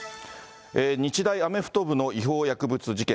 日大アメフト部の違法薬物事件。